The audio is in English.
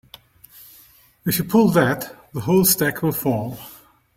If you pull that the whole stack will fall.